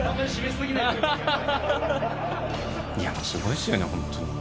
すごいっすよね、本当に。